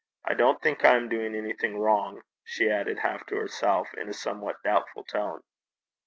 'I don't think I am doing anything wrong,' she added, half to herself, in a somewhat doubtful tone.